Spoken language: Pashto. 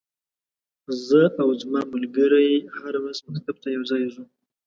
زه او ځما ملګری هره ورځ مکتب ته یوځای زو.